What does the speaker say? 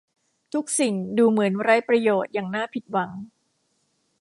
ทุกสิ่งดูเหมือนไร้ประโยชน์อย่างน่าผิดหวัง